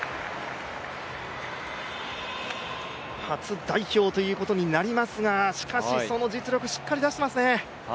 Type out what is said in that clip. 初代表ということになりますが、しかしその実力しっかり出していますね。